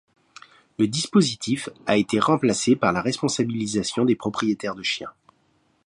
Le dispositif a été remplacé par la responsabilisation des propriétaires de chien.